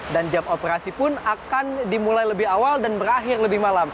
dan jam operasi pun akan dimulai lebih awal dan berakhir lebih malam